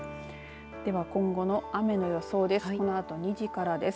では今後の雨の予想です。